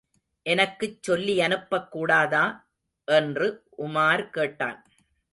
எனக்குச் சொல்லியனுப்பக்கூடாதா? என்று உமார் கேட்டான்.